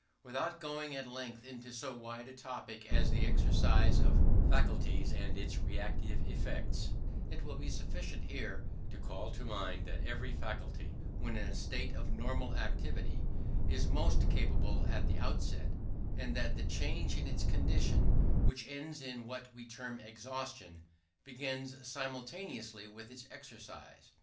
Without going at length into so wide a topic as the exercise of faculties and its reactive effects, it will be sufficient here to call to mind that every faculty (when in a state of normal activity) is most capable at the outset; and that the change in its condition, which ends in what we term exhaustion, begins simultaneously with its exercise.